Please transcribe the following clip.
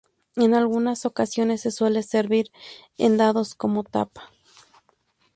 En algunas ocasiones se suele servir en dados como tapa.